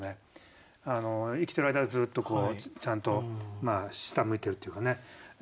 生きてる間はずっとちゃんと下向いてるっていうかね。